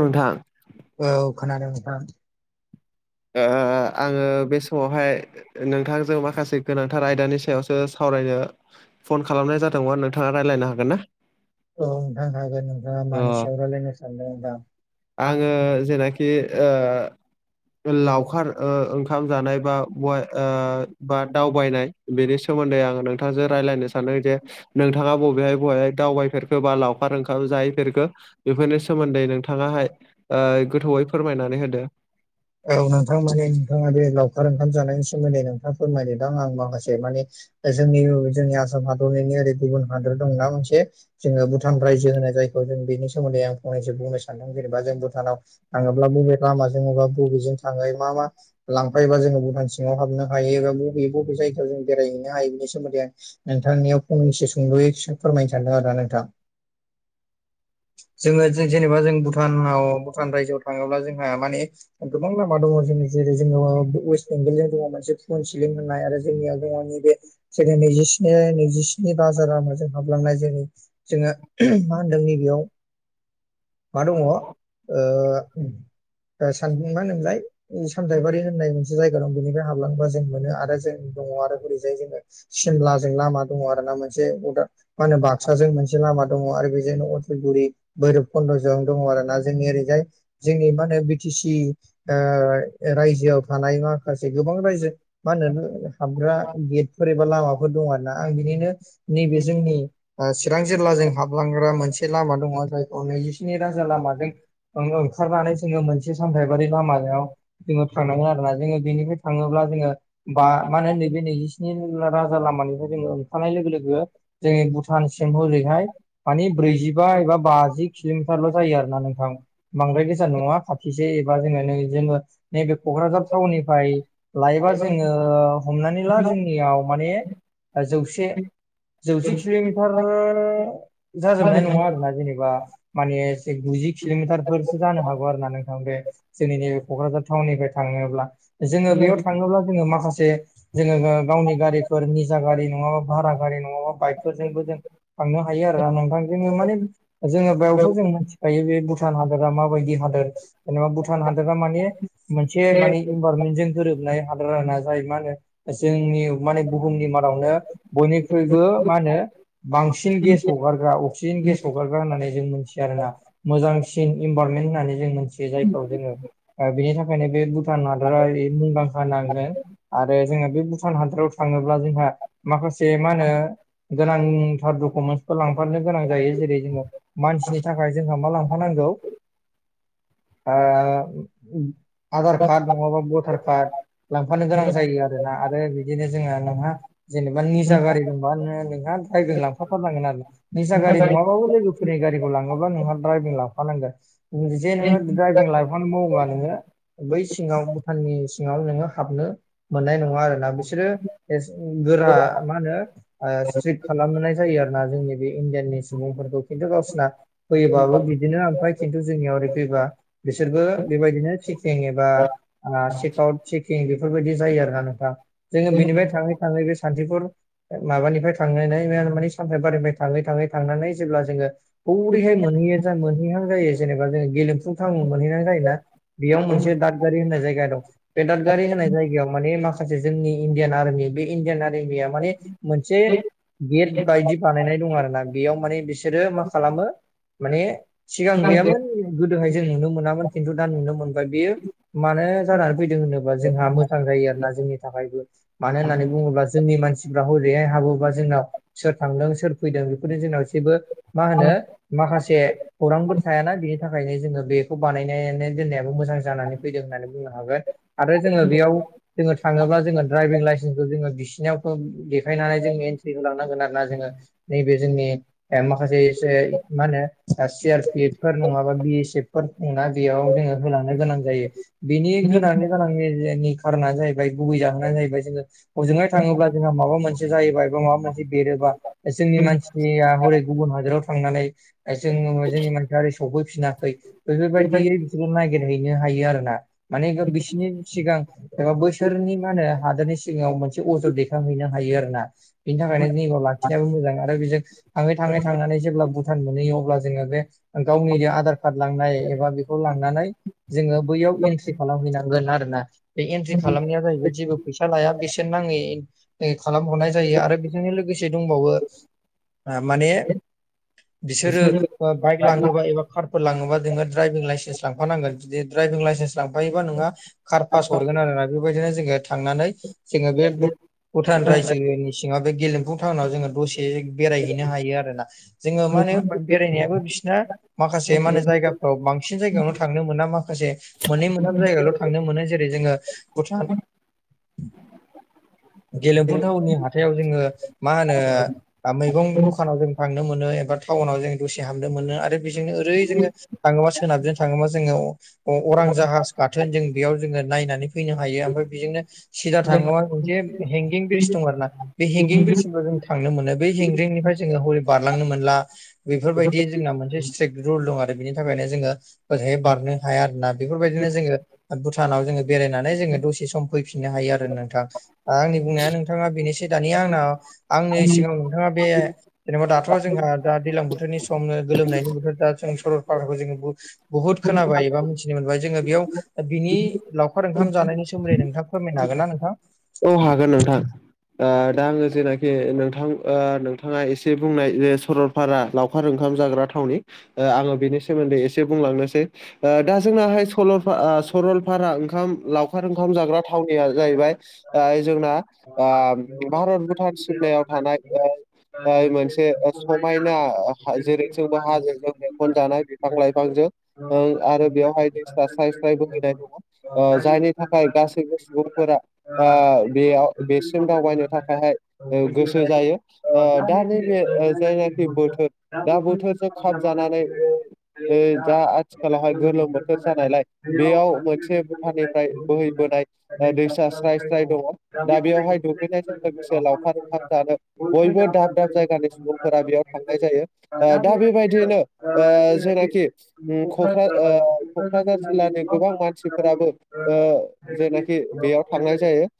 नोंथां औ खोनादों नोंथां। ओ आङो बे समावहाय नोंथांजों माखासे गोनांथार आयदानि सायावसो सावरायनो फन औ खालामनाय जादोंमोन नोंथाङा रायलायनो हागोन ना? औ नोंथां हागोन नोंथाङा अ मानि सायाव रायलायनो सानदोंदां आं आङो जेनाखि ओ लावखार ओ ओंखाम जानाय बा ओ बा दावबायनाय। बेनि सोमोनदै आङो नोंथांजों रायलायनो सानो जे नोंथाङा बबेहाय बबेहाय दावबायफेर गोबा लावखार ओंखाम जाहैफेरखो। बेफोरनि सोमोनदै नोंथाङाहाय ओ गोथौयै फोरमायनानै नोंथां? होदो। औ नोंथां माने नोंथाङा बे लावखार ओंखाम जानायनि सोमोन्दै नोंथाङा फोरमायनोदां आं माखासे माने जोंनि औ जोंनि आसाम हादरनि ओरै गुबुन हादर दंना मोनसे? जोङो भुटान रायजो होनो। जायखौ जों बेनि सोमोनदै आं फंनैसो बुंनो सानदों। जेनेबा जों भुटानाव थाङोब्ला बबे लामाजों बबा बबेजों थाङो मा मा लांफायोबा जोङो भुटान सिङाव हाबनो हायो एबा बबे बबे जायगायाव जों बेरायहैनो हायो बिनि सोमोनदै आं नोंथांनियाव फंनैसो सुंद'यै फोरमायनो सानदों आरो ना नोंथां। [inaudible] जोङो जेनेबा जों भुटानाव भुटान रायजोआव थाङोब्ला जोंहा माने मोबां लामा दङ' जोंनि जेरै जोङो वेस्ट बेंगलजों दङ। मोनसे फन सिलिं होननाय आरो जोंनियाव दङ नैबे जोंङो नैजिस्नि नैजिस्नि राजा लामाजों हाबलांनाय जोंनि जोङो मा होनदों नैबेयाव मा दङ ओ सानदों मा होनदों मोनलाय सामथायाइबारि होननाय मोनसे जायगा दं बेनिफ्राय हाबलांबा जों मोनो आरो जों दङ आरो ओरैजाय जोङो सिमलाजों लामा दङ आरो ना मोनसे अदार मा होनो बाक्साजों मोनसे लामा दङ आरो बेजोंनो अदालगुरि भैरब खन्द' ज'आवनो दङ आरो ना जोंनि ओरैजाय जोंनि मा होनो टि सि रायजोआव थानाय माखासे गोबां रायजो मा होनो हाबग्रा गेटफोर एबा लामाफोर दं आरोना आं बिनिनो नैबे जोंनि ओ चिरां जिल्लाजों हाबलांग्रा मोनसे लामा दङ जायखौ नैजिस्नि रोजा लामाजों ओं ओंखारनानै जोङो मोनसे सामथायबारि लामायाव जोङो थांनांगोन आरो ना जोङो बेनिफ्राय थाङोब्ला जोङो बा मा होनो नैबे नैजिस्नि राजा लामानिफ्राय जोङो ओंखारानाय लोगो लोगो जोंनि भुटान नसिम हरैहाय मानि ब्रैजिबा एबा बाजि किल'मिटारल' जायो आरो ना नोंथां बांद्राय गोजान नङा खाथिसे एबा जोङो जेनबा नैबे क'क्राझार टाउननिफ्राय लायोबा जोङो हमनानै ला जोंनियाव माने जौसे जौसे किल'मिटार जाजोबनाय नङा आरोना जेनेबा माने एसे गुजि किल'मिटारफोरसो जानो हागौ आरो ना नोंथां बे जोंनि नैबे क'क्राझार टाउननिफ्राय थाङोब्ला जोङो बेयाव थाङोब्ला जोङो माखासे जोङो गावनि गारिफोर निजा गारि नङाबा भारा गारि नङाबा बाइकफोरजोंबो जों थांनो हायो आरो ना नोंथांजोंनो माने जोङो बेयावथ' जों मिथिखायो बे भुटान हादरा माबायदि हादोर जेनेबा भुटान हादोरा मानिे मोनसे माने जों गोरोबनाय हादारा जायो मा होनो जोंनि माने बुहुमनि मादावनो बयनिख्रुइबो मा होनो बांसिन गेस हगारग्रा अक्सिजेन गेस हगारग्रा होननानै जों मोनथियो आरो ना मोजांसिन इनभारमेन्ट होननानै जों मोनथियो जायखौ जोङो बिनि थाखायनो बे भुटान हादरा मुंदांखा नांगोन आरो जोङो बे भुटान हादोराव थाङोब्ला जोंहा माखासे मा होनो गोनांथार कुमेन्टस फोर लांफानो गोनां जायो जेरै जोङो मानसिनि थाखाय जोंहा मा लांफानांगौ आधार कार्ड नङाबा भटार कार्ड लांफानो गोनां जायो आरो आरो बिदिनो जोंहा नोंहा जेनेबा निजा गारि दं म नोंहा ायजों लांफा थारनांगोन आरो ना निजा गारि नङाबाबो लोगोफोर दिनै गारिखौ लाङोबा नोंहा ्राइभं लाफानांगोन जे नोङो द्राइभिं लाइसेनस मावोबा नोङो बै सिङाव भुटाननि सिङाव नोङो हाबनो मोननाय नङा आरोना बिसोरो गोरा मा होनो खालाम जायो आरो ना जोंनि बे इण्डियाननि सुबुंफोरखौ खिन्थु गावसिना होयोबाबो बिदिनो ओमफाय खिन्थु जोंनियाव ओरै फैबा बिसोरबो बेबायदिनो चिकं एबा चकआउट चेकिं बेफोरबायदि जायो आरो ना नोंथाङा जोङो बिनिफ्राय थाङो आ बे सान्तिपुर माबानिफ्राय थांनानै मानि सानथाय बारिनिफ्राय थाङै थाङै थांनानै जेब्ला जोङो बरैहाय मोनहैयो मोनहैहां जायो जेनेबा जोंङ गेलेमफु थावन मोनहैहां जायोना बेयाव मोनसे दादगारि होननाय जायगा दं बे दादगारि होननाय जायगायाव माने माखासे जोंनि इण्डियान आरमि बे इण्डियान आरमिया माने मोनसे औ गेट बायदि बानायनाय दं आरो ना बेयाव माने बिसोरो मा खालामो माने सिगां गैयामोन गोदोहाय जों नुनो मोनामोन खिन्थु दा नुनो मोनबाय बियो मानो जानानै फैदों होनोबा जोंहा मोजां जायो आरोना जोंनि थाखायबो मानो होननानै बुङोब्ला जोंनि मानसिफ्रा हरैहाय हाबोबा जोंनाव सोर थांदों सोर फैदों बेफोरनि जोंनाव जेबो मा होनो माखासे खौरांफोर थायाना बिनि थाखायनो जोङो बेखौ बानायनानै दोननायाबो मोजां जानानै फैदों होननानै बुंनो हागोन आरो जोङो बेयाव जोङो थाङोब्ला जोङो ड्राइभिं लाइसेन्सखौ जोङो बिसिनियाव देखायनानै जों एन्ट्रि होलांनांगोन आरो ना जोङो नैबे जोंनि माखासे मा होनो सि आर पि एफ फोर नङाबा बि एस एफ फोर ना बेयाव जोङो होलांनो गोनां जायो बिनि होनानै [unintelligible] खार'नानो जाहैबाय गुबै जाहोनानो जाहैबाय जोङो हजोंहा थाङोब्ला जोंहा माबा मोनसे जायोबा एबा माबा मोनसे बेरोबा जोंनि मानसिया हरै गुबुन हादोराव थांनानै जों जोंनि मानसिया ओरै सफैफिनाखै बेफोरबायदि बिसोरो नागिरहैनो हायो आरो ना माने बिसिनि सिगां एबा बैसोरनि मा होनो हादोरनि सिगाङाव मोनसे अजद दैखांहैनो हायो आरो ना। बिनि थाखायनो [unintelligible] लाखिनायाबो मोजां आरो बेजों थाङै थाङै थांनानै जेब्ला मोनहैयो अब्ला जोङो बे गावनि जे आधार कार्ड लांनाय एबा बेखौ लांनानै जोङो बैयाव एन्ट्रि खालामहैनांगोन आरोना। बे एन्ट्रि खालामनाया जाहैबाय जेबो फैसा लाया बेसे नाङै खालामहरनाय जायो आरो बेजोंनो लोगोसे दंबावो माने बिसोरो बाइक लाङोबा एबा कारफोर लाङोबा जोङो ड्राइभिं लाइसेन्स लांफानांगोन जदि ड्राइभिं लाइसेन्स लांफायोबा नोंहा कार पास हरगोन आरोना बेबायदिनो जोङो थांनानै जोङो बे भु-भुटान रायजोनि सिङाव बे गेलेमफुं टउनाव जोङो दसे बेरायहैनो हायो आरोना। जोङो मा होनो बेरायनायाबो बिसिना माखासे मा होनो जायगा बांसिन जायगायावनो थांनो मोना माखासे मोननै मोनथाम जायगायावल' थांनो मोनो जेरै जोङो भुटान गेलेमफु थावननि हाथायाव जोङो मा होनो मैगं दखानाव जों थांनो मोनो एबा टाउनाव जों दसे हाबनो मोनो आरो बि ओरै जोङो थाङोबा सोनाबजों थाङोबा जोङो अरां जाहाज गाथोन जों बेयाव जोङो नायनानै फैनो हायो ओमफ्राय बेजोंनो सिदा थाङोबा मोनसे हेंगिं ब्रिज दं आरो ना बे हेंगिं ब्रिजजों जों थांनो मोनो बै हेंगिंनिफ्राय जोङो हरै बारलांनो मोनला बेफोरबायदि जोंना मोनसे स्ट्रिक रुल दं आरो बिनि थाखायनो जोङो ओरैहाय बारनो हाया आरोना बेफोरबायदिनो जोङो भुटानाव जोङो बेरायनानै जोङो दसे सम फैफिननो हायो आरो नोंथां आंनि बुंनाया नोंथाङा बेनोसै दानिया आंनाव आंनि सिगां बे जेनेबा दाथ जोंहा दा दैलां बोथोरनि समनो गोलोमनायनि दा जों सरलपाराखौ जोङो बहुत खोनाबाय एबा मिथिनो मोनबाय जोङो बेयाव दा बिनि लावखार ओंखाम जानायनि सोमोन्दै नोंथां फोरमायनो हागोन ना नोंथां? औ हागोन नोंथां। ओदा आङो जेनाखि नोंथां ओ नोंथाङा एसे बुंनाय जे सरल फारा लावखार ओंखाम जाग्रा थावनि आङो बेनि सोमोन्दै एसे बुंलांनोसै। ओ दा जोंनाहाय स-सरलपारा ओंखाम लावखार ओंखाम जाग्रा थाव निया जाहैबाय ओ जोंना आ भारत भुटान सिमनायायाव थानाय ओ ओ मोनसे समायना जेरै जोंबो हाजोजों बेंखन जानाय बिफां लाइफांजों आरो बेवहाय दैसा स्राय स्राय बोहैनाय दङ जायनि थाखाय गासैबो सुबुंफोरा आ बेयाव बेसिम दावबायनो थाखायहाय गोसो जायो आ दा नैबे जायनाखि बोथोर दा बोथोर जों खाब जानानै जा आथिखालावहाय गोलोम बोथोर जानायलाय बेयाव मोनसे जोंनि जायखौ भुटाननिफ्राय जोङो बोहैबोनाय दैसा स्राय स्राय दङ दा बेवहाय दुगैनाय जों लोगोसे लावखार ओंखाम जानो बयबो दाब दाब जायगानि सुबुंफोरा बेयाव थांनाय जायो। आ दा बेबायदियैनो ओ बेबायदिनो जेनाखि कक्रा ओ कक्राझार जिल्लानि गोबां मान सिफोराबो ओ जेनाखि ओ जेनाखि बेयाव थांनाय जायो ओ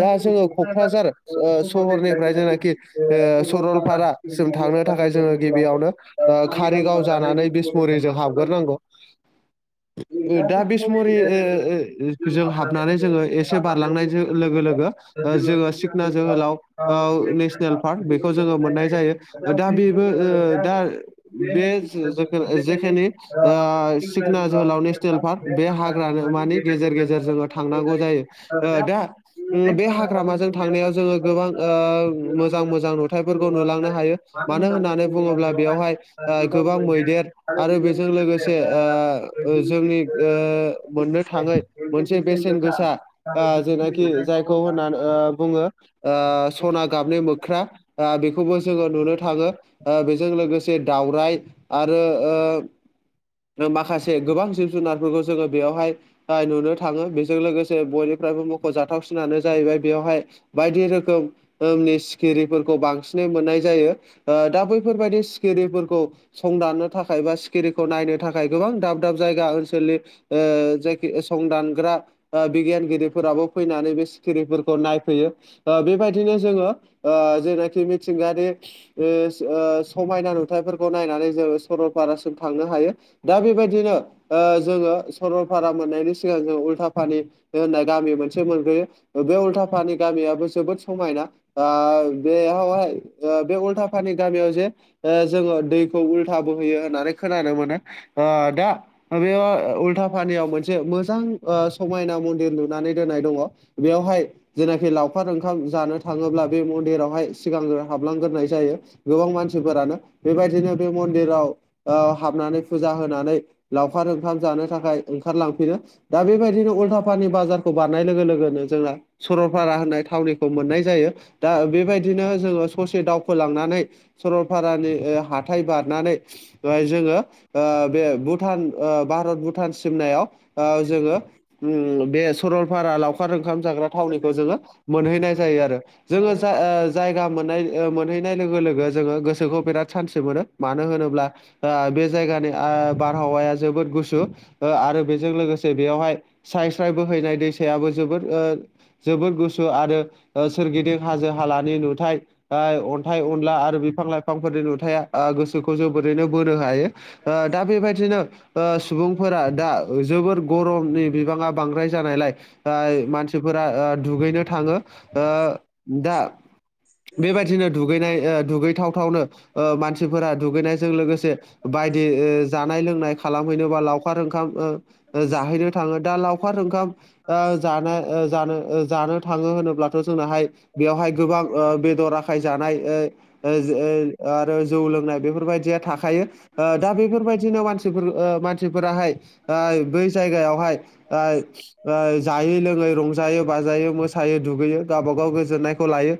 दा जों जोङो क'क्राझार ओ सहरनिफ्राय जेनाखि ओ सरलपारा जों सरलपारासिम नायनो थांनो थाखाय जों जोङो गिबियावनो कारिगाव जानानै बिसमुरिजों हाबग्रोनांगौ। दा बे बिसमुरि समाव जों हाबनानै जोङो एसे बारलांनाय लोगो जोङो सिख ना जोहोलाव नेसनेल पार्क बेखौ जोङो मोननाय जायो दा बेबो दा बे जेखिनि सिखना जोहोलाव नेसनेल पार्क बे हाग्रामानो मानि गेजेर गेजेर जोङो थांनांगौ जायो। दा बे हाग्रामाजों थांनायाव जोङो गोबां मोजां मोजां नुथाइफोरखौ नुलांनो हायो मानो होननानै बुङोब्ला बेवहाय गोबां मैदेर आरो बेजों लोगोसे जोंनि मोननो थाङै मोनसे बेसेन गोसा जेनाखि जायखौ गोसा होननानै बुङो सना गाबनि मोख्रा बेखौबो जोङो नुनो थाङो। ओ बेजों लोगोसे दावराइ आरो ओ। माखासे गोबां जिब-जुनारफोरखौ जोङो बेवहाय नुनो थाङो बेजों लोगोसे बयनिफ्रायबो मुंख'जाथावसिनानो जाहैबाय बेवहाय बायदि रोखोम ओंनि सिखिरिफोरखौ बांसिनै मोननाय जायो ओ दा बैफोरबायदि सिखिरिफोरखौ संदाननो थाखाय बा सिखिरिखौ नायनो थाखाय गोबां दाब दाब जायगा ओनसोलनि ओ जायखि संदानग्रा ओ बिगियानगिरि फोराबो फैनानै बे सिखिरिफोरखौ नायफैयो। ओ बेबायदिनो जोङो ओ जेनाखि मिथिंगायारि ओ ओ समायना नुथायाइफोरखौ नायनानै जोङो सरलपारासिम थांनो हायो। दा बेबायदिनो ओ जोङो सरलपारा मोननायनि सिगां जोङो उल्था पानि होननाय। गामि मोनसे मोनग्रोयो बे उल्थाफानि गामियाबो जोबोद समायना। ओ बेवहाहाय ओ बे उल्थाफानि गामियाव जे ओ जोङो दैखौ उल्था बोहैयो होननानै खोनानो मोनो ओ दा बेयाव उल्थाफानियाव मोनसे मोजां ओ समायना मन्दिर नानै दोननाय दङ' बेयावहाय जेनाखि लावखार ओंखाम जानो थाङोब्ला बे मन्दिरावहाय सिगांग्रो हाबलांग्रोनाय जायो। गोबां मानसिफोरानो बेबायदिनो बे मन्दिराव हाबनानै फुजा होनानै लावखार ओंखाम जानो थाखाय ओंखारलांफिनो दा बेबायदिनो उल्था पानि बाजार खौ बारनाय लोगो लोगोनो जोंना सरलपारा होननाय थावनिखौ मोननाय जायो। दा बेबायदिनो जोङो ससे दावखोलांनानै सरलफारानि ओ हाथाय बारनानै जोङो ओ बे भुटान ओ भारत भुटान सिमनायाव ओ जोङो ओम बे सरलफारा लावखार ओंखाम जाग्रा थावनिखौ जोङो मोनहैनाय जायो आरो। जोङो जा ओ जायगा मोननाय ओ मोनहैनाय लोगो लोगो जोङो गोसोखौ बिराद सानथि मोनो। मानो होनोब्ला ओ बे जायगानि ओ बारहावाया जोबोद गुसु ओ आरो बेजों लोगोसे बेयावहाय स्राय स्राय बोहैनाय दैसायाबो जोबोद ओ जोबोद गुसु आरो ओ सोरगिदिं हाजो। हालानि नुथाय अन्थाइ अनला आरो बिफां-लाइफां बिफांफोरनि नुथाया ओ गोसोखौ जोबोरैनो बोनो हायो दा बेबायदिनो ओ सुबुंफोरा दा जोबोर गरमनि बिबाङा बांद्राय जानायलाय मानसिफोरा ओ दुगैनो थाङो ओ दा बेबायदिनो दुगैनाय ओ दुगैथावथावनो मानसिफोरा दुगैनायजों लोगोसे बायदि जानाय लोंनाय खालामहैनो बा लावखार ओंखाम जाहैनो थाङो दा लावखारा खार ओखाम ओ जानो ओ जानो ओ जानो थाङो होनोब्लानो जोंनाहाय बेयावहाय गोबां ओ बेदर आखाय जानाय ओ ओ ओ आरो जौ लोंनाय बेफोरबायदिया थाखायो दा बेफोरबायदिनो मानसिनि मानसिफोराहाय ओ बै जायगायावहाय आयो ओ जायै लोङै रंजायो बाजायो मोसायो, दुगैयो, गावबा गाव गोजोननाया खौ लायो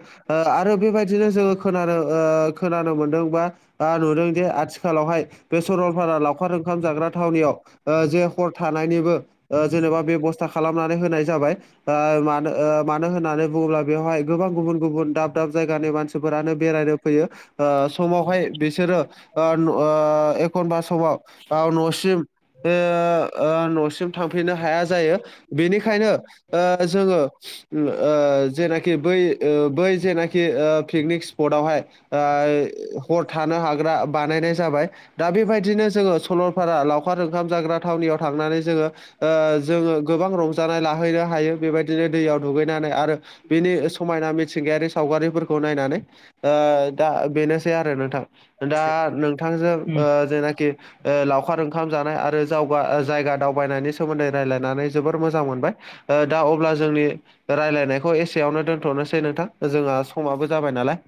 आरो बेबायदिनो जोङो खोनानो ओ खोनानो मोनदों बायो आ नुदोंदिे आथिखालावहाय बे सरलपारा लावखार ओंखाम जाग्रा थावनियावाव ओ जे हर थानायनिबो जेनेबा बेबस्था खालामनानै होनाय जाबाय ओ मानो ओ मानो होननानै बुङोब्ला बेवहाय गोबां गुबुन गुबुन दाब दाब जायगानि मानसिफोरानो बेरायनो फैयो। ओ समावहाय बिसोरो न' ओ एखनबा समाव बा न'सिम बे ओ न'सिम बे थांफिननो हाया जायो बेनिखायनो ओ जोङो ओ जेनाखि बै ओ बै जेनाखि पिकनिक स्पदावहाया हर थानो हाग्रा बानायनाया जाबाय दा बेबायदिनो जोङो सलपारा लावखार ओंखाम जाग्रा थावनियाव थांनानै जोङो। जोङो गोबां रंजानाय लाहैनो हायो बेबादि बिनो दैयाव दुगैनानै आरो बिनि समायना मिथिंगायारि सावगारिफोरखौ नायनानै दा बेनोसै आरो नोंथां। दा नोंथांजों जानाखि लावखार ओंखाम जानाय आरो जावगा जायगा दावबायनायनि सोमोन्दै रायजलायनानै जोबोर मोजां मोनबाय। दा अब्ला जोंनि रायलायनायखौ एसेयावनो दोनथ'नोसै नोंथां जोंहा समाबो जाबाय नालाय